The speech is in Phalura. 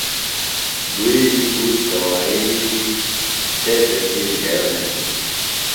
دُئیۡ بیۡ تُوش دوائیۡ دِتیۡ، تھےۡ تسی ڈھیۡر نمِلیۡ